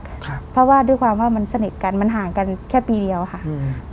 ครับเพราะว่าด้วยความว่ามันสนิทกันมันห่างกันแค่ปีเดียวค่ะอืม